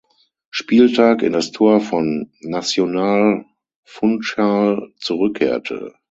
Spieltag in das Tor von Nacional Funchal zurückkehrte.